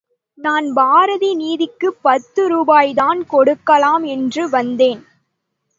நான் பாரதி நிதிக்குப் பத்து ரூபாய்தான் கொடுக்கலாம் என்று வந்தேன்.